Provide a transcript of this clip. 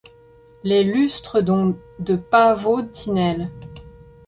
Les lustres dont de Paavo Tynell.